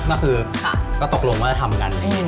ก็คือก็ตกลงว่าจะทำกัน